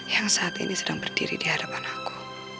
yang saat ini sedang berdiri di hadapan aku